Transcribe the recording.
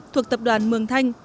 thuộc tập đoàn mường thanh